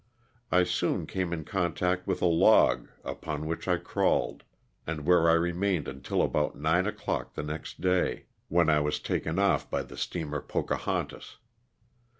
I soon came in contact with a log upon which I crawled, and where I remained until about nine o'clock the next day, when 246 LOSS OF THE SULTAl^A. I was taken off by the steamer "Pocahontas."